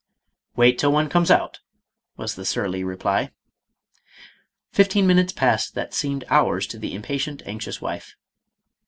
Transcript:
" Wait till one comes out,' ' was the surly reply. Fifteen minutes passed that seemed hours to the impatient, anxious wife.